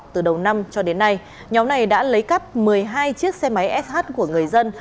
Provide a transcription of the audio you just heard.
từ đầu năm cho đến nay nhóm này đã lấy cắp một mươi hai chiếc xe máy sh của người dân